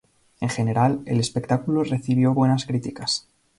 En general, el espectáculo recibió buenas críticas.